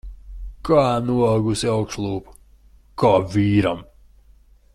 Kā noaugusi augšlūpa. Kā vīram.